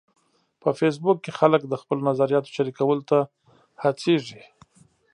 په فېسبوک کې خلک د خپلو نظریاتو شریکولو ته هڅیږي.